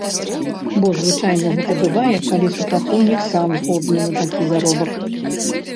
Бо звычайна, гэта бывае, калі супрацоўнік сам згодны на такі заробак.